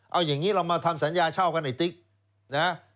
เอาอย่างนี้เรามาทำสัญญาเช่ากันไอ้ติ๊กนะ